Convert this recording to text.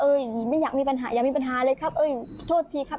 อย่างงี้ไม่อยากมีปัญหาอยากมีปัญหาเลยครับเอ้ยโทษทีครับ